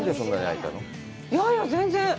いやいや、全然。